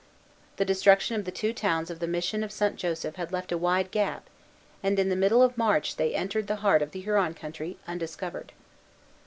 The destruction of the two towns of the mission of St. Joseph had left a wide gap, and in the middle of March they entered the heart of the Huron country, undiscovered.